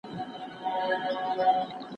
حضرت عمر بن خطاب یو مېړنی او عادل انسان و.